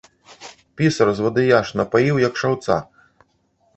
Пісар, звадыяш, напаіў, як шаўца.